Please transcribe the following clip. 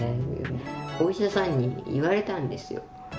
お医者さんに言われたんですよ。